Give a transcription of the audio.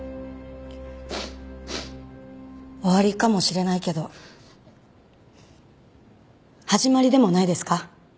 終わりかもしれないけど始まりでもないですか？